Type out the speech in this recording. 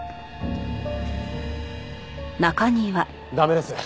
駄目です。